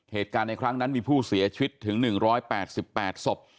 เหตุการณ์ในครั้งนั้นมีผู้เสียชีวิตถึง๑๘๘ศพ